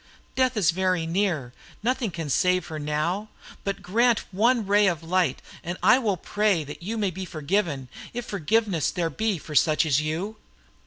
Death is very near, nothing can save her now; but grant one ray of light, and I will pray that you may be forgiven, if forgiveness there be for such as you."